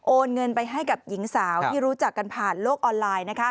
เงินไปให้กับหญิงสาวที่รู้จักกันผ่านโลกออนไลน์